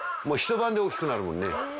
もうひと晩で大きくなるもんね。